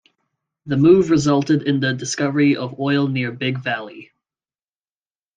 The move resulted in the discovery of oil near Big Valley.